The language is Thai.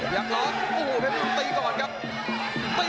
อยากร้องโอ้โหเพ็บลุงตีก่อนครับ